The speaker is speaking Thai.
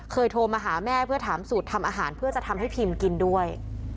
โทรมาหาแม่เพื่อถามสูตรทำอาหารเพื่อจะทำให้พิมกินด้วย